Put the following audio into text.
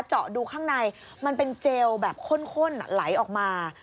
เจาะดูข้างในมันเป็นเจลแบบข้นไหลออกมา